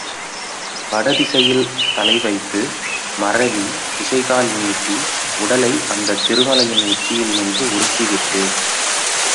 வடதிசையில் தலை வைத்து மறலி திசைகால் நீட்டி உடலை அந்தத் திருமலையின் உச்சியில் நின்று உருட்டி விட்டேன்.